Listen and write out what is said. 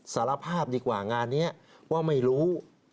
สารภาพดีกว่างานนี้ว่าไม่รู้